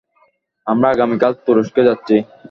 আমরা আগামীকাল তুরস্কে যাচ্ছি।